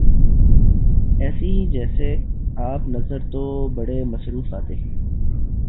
ایسے ہی جیسے آپ نظر تو بڑے مصروف آتے ہیں